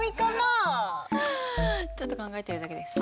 ちょっと考えてるだけです。